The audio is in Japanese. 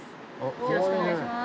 よろしくお願いします。